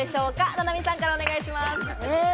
菜波さんからお願いします。